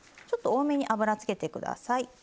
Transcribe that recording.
ちょっと多めに油つけてください。